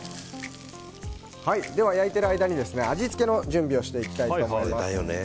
焼いている間に味付けの準備をしていきたいと思います。